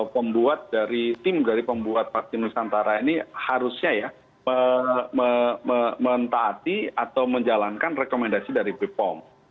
karena tim dari pembuat vaksin nusantara ini harusnya ya mentaati atau menjalankan rekomendasi dari bepom